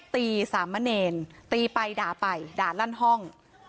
ตีสามมะเนนตีไปด่าไปด่าด้านห้อง